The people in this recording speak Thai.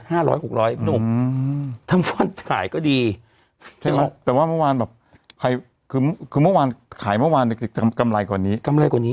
ห้าร้อยหกร้อยถ้าเมื่อวานขายก็ดีใช่ไหมแต่ว่าเมื่อวานแบบใครคือเมื่อวานขายเมื่อวานกำไรกว่านี้